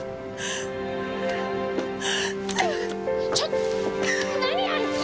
ちょっと何やる気？